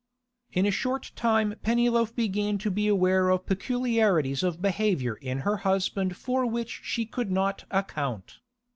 In a short time Pennyloaf began to be aware of peculiarities of behaviour in her husband for which she could not account.